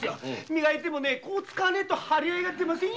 磨いてもこう使わねェと張り合いが出ませんや。